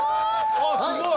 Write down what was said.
あっすごい。